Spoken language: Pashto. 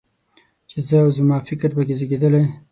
چې زه او زما فکر په کې زېږېدلی.